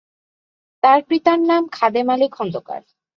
তার পিতার নাম খাদেম আলী খন্দকার।